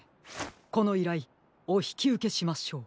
このいらいおひきうけしましょう。